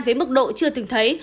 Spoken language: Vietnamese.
với mức độ chưa từng thấy